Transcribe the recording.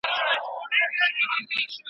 تا په اوربل روپۍ کږه کړه